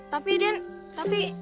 tapi den tapi